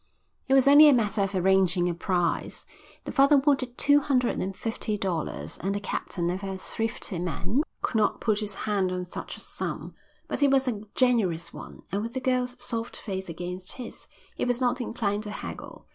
It was only a matter of arranging a price. The father wanted two hundred and fifty dollars, and the captain, never a thrifty man, could not put his hand on such a sum. But he was a generous one, and with the girl's soft face against his, he was not inclined to haggle.